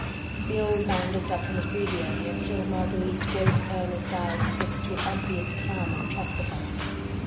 The old man looked up from his breviary, and saw Marguerite's great earnest eyes fixed with obvious calm and trust upon him.